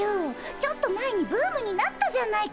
ちょっと前にブームになったじゃないか。